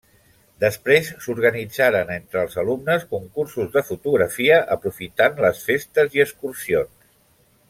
Després s'organitzaren entre els alumnes concursos de fotografia aprofitant les festes i excursions.